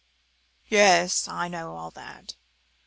"Yes, I know all that.